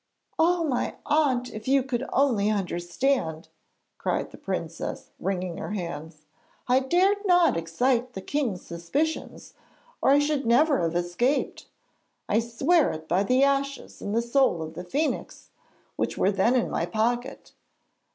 'Oh, my aunt, if you could only understand!' cried the princess, wringing her hands. 'I dared not excite the king's suspicions or I should never have escaped! I swear it by the ashes and the soul of the phoenix which were then in my pocket!